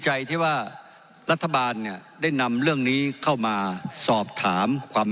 ใจที่ว่ารัฐบาลเนี่ยได้นำเรื่องนี้เข้ามาสอบถามความ